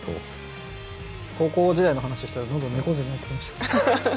高校時代の話してたらどんどん猫背になってきました。